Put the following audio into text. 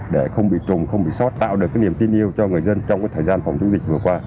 để không bị trùng không bị sót tạo được cái niềm tin yêu cho người dân trong thời gian phòng chống dịch vừa qua